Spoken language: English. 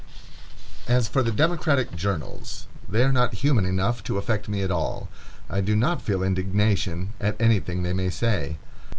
As for the Democratic journals, they are not human enough to affect me at all. I do not feel indignation at anything they may say.